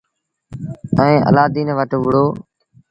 ائيٚݩ الآدين وٽ وُهڙو۔